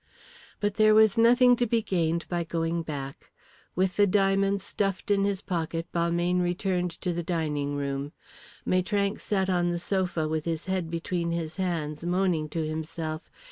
But there was nothing to be gained by going back. With the diamonds stuffed in his pocket, Balmayne returned to the dining room. Maitrank sat on the sofa with his head between his hands moaning to himself.